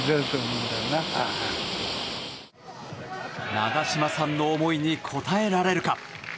長嶋さんの思いに応えられるか。